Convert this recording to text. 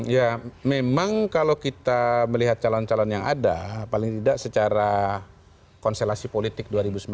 ya memang kalau kita melihat calon calon yang ada paling tidak secara konstelasi politik dua ribu sembilan belas